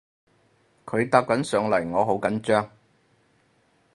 佢搭緊上嚟我好緊張